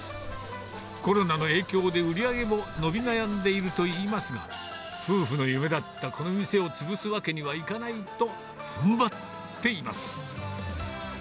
コロナの影響で売り上げも伸び悩んでいるといいますが、夫婦の夢だったこの店を潰すわけにはいかないと、ふんばっています。